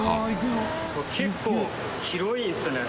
結構広いですね。